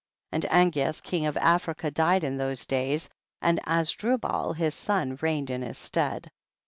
5. And Angeas king of Africa died in those days, and Azdrubal his son reigned in his stead.